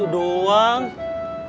tidak ada duit